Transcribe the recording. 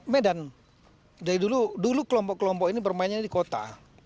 medan dari dulu dulu kelompok kelompok ini bermainnya di kota